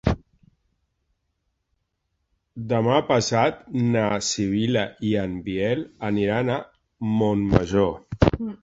Demà passat na Sibil·la i en Biel aniran a Montmajor.